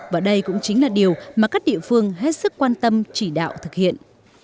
và đây cũng chính là điều mà các địa phương hết sức quan tâm chỉ đạo thực hiện